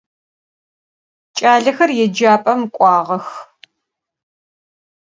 Ç'alexer yêcap'em k'uağex.